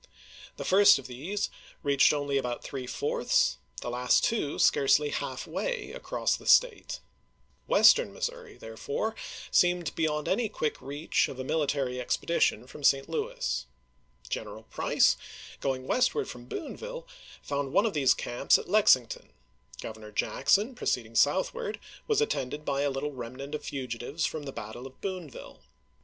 The first of these reached only about three fourths, the last two scarcely half way, across the State. Western Missouri, therefore, seemed beyond any quick reach of a military expedition from St. Louis. General Price, going westward from Boonville, found one of these camps at Lexington ; Governor Jackson, proceeding southward, was attended by a little remnant of fugitives from the battle of Boon ville.